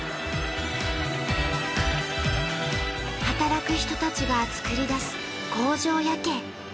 働く人たちが作り出す工場夜景。